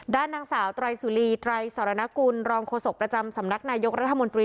ด้านนางสาวไตรสุรีไตรสรณกุลรองโฆษกประจำสำนักนายกรัฐมนตรี